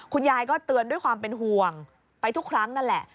คุณยายก็เตือนด้วยความเป็นห่วงไปทุกครั้งนั่นแหละ